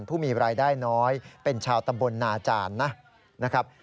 ผู้มีรายได้น้อยเป็นชาวตำบลนาจารย์นะครับ